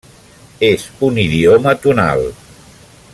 És un idioma tonal.